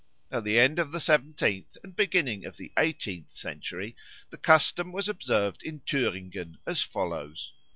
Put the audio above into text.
At the end of the seventeenth and beginning of the eighteenth century the custom was observed in Thüringen as follows.